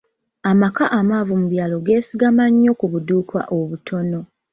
Amaka amaavu mu byalo geesigama nnyo ku budduuka obutono.